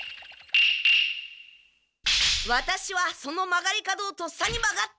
ワタシはその曲がり角をとっさに曲がった！